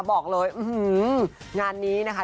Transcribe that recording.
บอกเลยงานนี้นะคะ